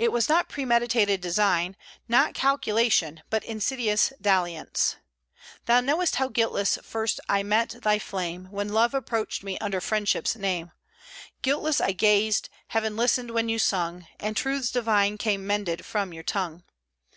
It was not premeditated design, not calculation, but insidious dalliance: "Thou know'st how guiltless first I met thy flame, When love approached me under friendship's name. Guiltless I gazed; heaven listened when you sung, And truths divine came mended from your tongue.